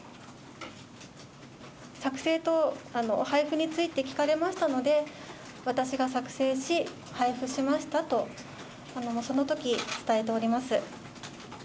作成と配布について聞かれましたので、私が作成し、配布しましたと、そのとき伝えております。